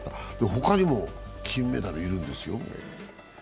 他にも金メダルいるんですよ。